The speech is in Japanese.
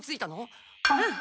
うん。